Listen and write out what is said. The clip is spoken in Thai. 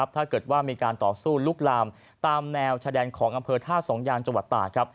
ถ้าเกิดว่ามีการต่อสู้ลุกลามตามแนวชายแดนของอำเภอท่าสองยางจังหวัดตาก